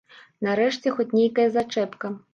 Нарэшце хоць нейкая зачэпка.